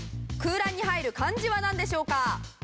空欄に入る漢字はなんでしょうか？